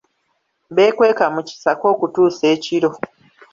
Beekweka mu kisaka okutuusa ekiro.